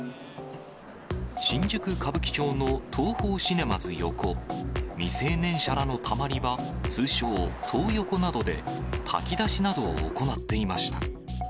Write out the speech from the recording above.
新宿・歌舞伎町のＴＯＨＯシネマズ横、未成年者らのたまり場、通称、トー横などで炊き出しなどを行っていました。